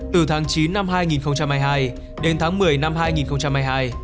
từ tháng chín năm hai nghìn hai mươi hai đến tháng một mươi năm hai nghìn hai mươi hai